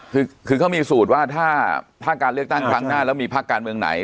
คือเขามีสูตรว่าถ้าการเลือกตั้งครั้งหน้าแล้วมีภาคการเมืองไหน